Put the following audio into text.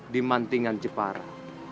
di mantingan jepara